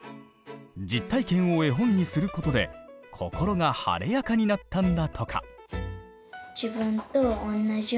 実体験を絵本にすることで心が晴れやかになったんだとか。